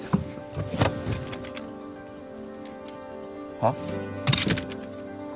はっ？